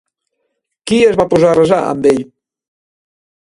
Qui es va posar a resar amb ell?